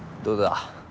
どうだ？